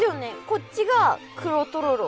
こっちが黒とろろ。